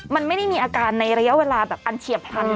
มันไม่ได้มีอาการในระยะเวลาแบบอันเฉียบพลัน